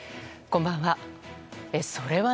こんばんは。